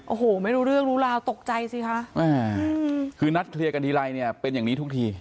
โอ้โหไม่รู้เรื่องรู้ราวตกใจสิคะคือนัดเคลียร์กันทีไรเนี่ยเป็นอย่างนี้ทุกที